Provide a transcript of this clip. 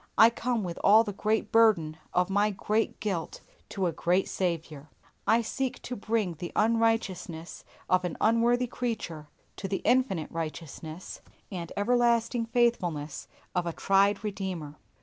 I come with all the great burden of my great guilt to a great Saviour. I seek to bring the unrighteousness of an unworthy creature to the infinite righteousness and everlasting faithfulness of a tried Redeemer.